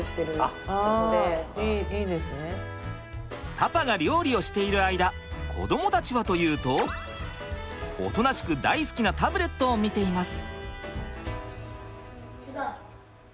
パパが料理をしている間子どもたちはというとおとなしく大好きなタブレットを見ています。